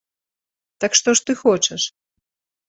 Так што ж ты хочаш?